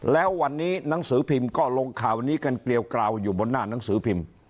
แล้ววันนี้หนังสือพิมพ์ก็ลงข่าวนี้กันเกลียวกราวอยู่บนหน้าหนังสือพิมพ์